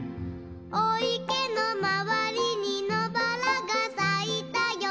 「おいけのまわりにのばらがさいたよ」